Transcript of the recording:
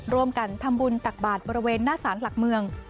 ร่วมกันทำบุญตักบาทบริเวณหน้าสารหลักเมือง